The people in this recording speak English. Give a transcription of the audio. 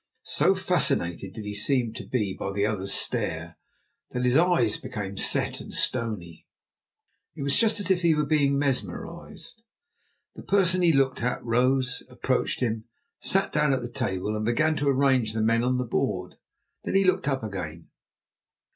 So fascinated did he seem to be by the other's stare that his eyes became set and stony. It was just as if he were being mesmerized. The person he looked at rose, approached him, sat down at the table and began to arrange the men on the board. Then he looked up again.